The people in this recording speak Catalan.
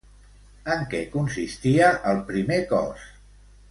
En què consistia el primer cos?